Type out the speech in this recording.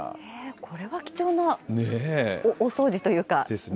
これは貴重な大掃除というか。ですね。